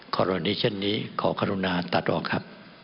ขอร้อยนี้เช่นนี้ขอข้ารุณาตัดออกครับ